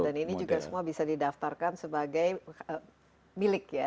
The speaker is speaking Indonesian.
dan ini juga semua bisa didaftarkan sebagai milik ya